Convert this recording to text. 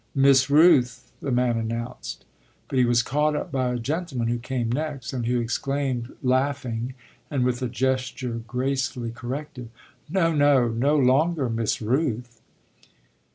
"Miss Rooth!" the man announced; but he was caught up by a gentleman who came next and who exclaimed, laughing and with a gesture gracefully corrective: "No, no no longer Miss Rooth!"